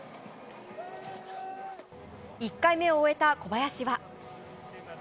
１回目を終えた小林は。